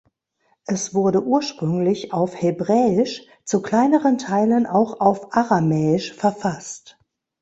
Es wurde ursprünglich auf Hebräisch, zu kleineren Teilen auch auf Aramäisch verfasst.